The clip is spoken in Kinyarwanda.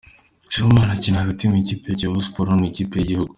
Sibomana akina hagati mu ikipe ya Kiyovu Sport no mu ikipe y’igihugu.